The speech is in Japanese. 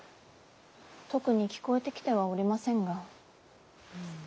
特に聞こえてきてはおりませぬが。